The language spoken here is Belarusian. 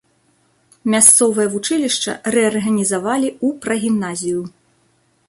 Мясцовае вучылішча рэарганізавалі ў прагімназію.